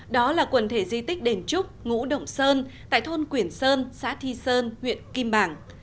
đó là quần thể di tích đền trúc ngũ động sơn tại thôn quyển sơn xã thi sơn huyện kim bảng